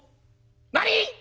「何！